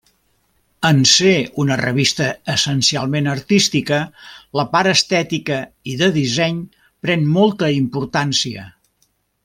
En ser una revista essencialment artística, la part estètica i de disseny pren molta importància.